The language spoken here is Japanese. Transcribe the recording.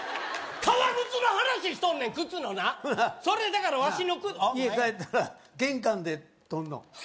革靴の話しとんねん靴のなそれだからわしの靴家帰ったら玄関で取んの？